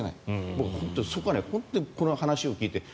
僕は本当にこの話を聞いて。